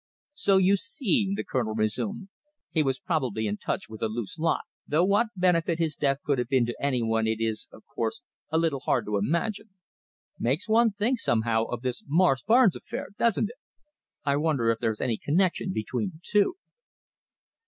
"So you see," the Colonel resumed, "he was probably in touch with a loose lot, though what benefit his death could have been to any one it is, of course, a little hard to imagine. Makes one think, somehow, of this Morris Barnes affair, doesn't it? I wonder if there is any connection between the two."